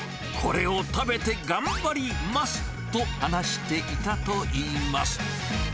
これを食べて頑張りますと話していたといいます。